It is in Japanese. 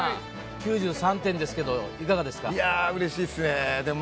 ９３点ですけどいかがですか？